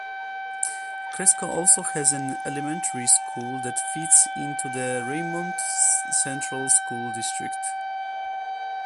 Ceresco also has an elementary school that feeds into the Raymond Central School District.